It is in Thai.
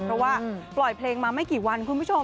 เพราะว่าปล่อยเพลงมาไม่กี่วันคุณผู้ชม